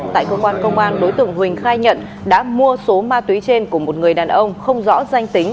tại cơ quan công an đối tượng huỳnh khai nhận đã mua số ma túy trên của một người đàn ông không rõ danh tính